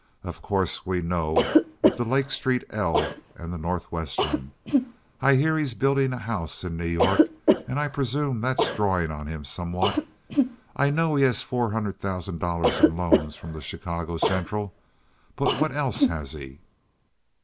Of course we know of the Lake Street 'L' and the Northwestern. I hear he's building a house in New York, and I presume that's drawing on him somewhat. I know he has four hundred thousand dollars in loans from the Chicago Central; but what else has he?"